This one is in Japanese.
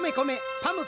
パム！